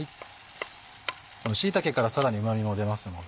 この椎茸からさらにうま味も出ますので。